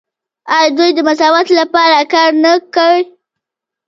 آیا دوی د مساوات لپاره کار نه کوي؟